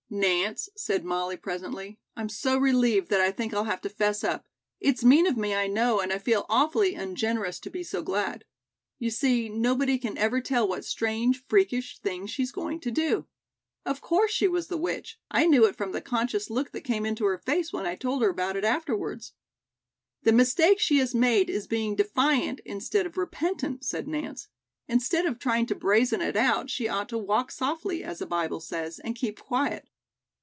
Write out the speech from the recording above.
"Nance," said Molly, presently, "I'm so relieved that I think I'll have to 'fess up. It's mean of me, I know, and I feel awfully ungenerous to be so glad. You see, nobody can ever tell what strange, freakish thing she's going to do. Of course she was the witch. I knew it from the conscious look that came into her face when I told her about it afterwards." "The mistake she has made is being defiant instead of repentant," said Nance. "Instead of trying to brazen it out, she ought to 'walk softly,' as the Bible says, and keep quiet.